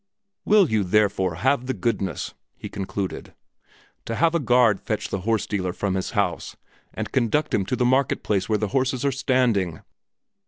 "Will you therefore have the goodness," he concluded, "to have a guard fetch the horse dealer from his house and conduct him to the market place where the horses are standing?"